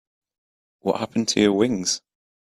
What happened to your wings?